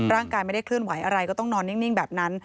ร่างกายไม่ได้เคลื่อนไหวอะไรก็ต้องนอนนิ่งแบบนั้น